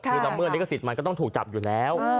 คือละเมิดลิขสิทธิ์มันก็ต้องถูกจับอยู่แล้ว